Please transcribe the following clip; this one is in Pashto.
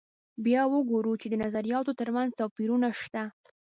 بیا وګورو چې د نظریاتو تر منځ توپیرونه شته.